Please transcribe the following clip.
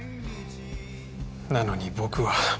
なのに僕は。